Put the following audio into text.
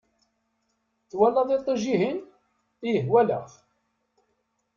Twalaḍ iṭij-ihin? Ih walaɣ-t!